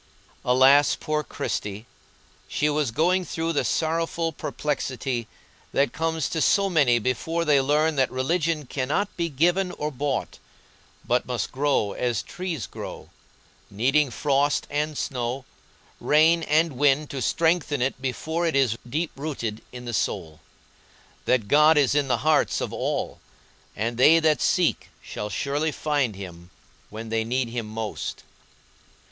Alas, poor Christie! she was going through the sorrowful perplexity that comes to so many before they learn that religion cannot be given or bought, but must grow as trees grow, needing frost and snow, rain and wind to strengthen it before it is deep rooted in the soul; that God is in the hearts of all, and they that seek shall surely find Him when they need Him most.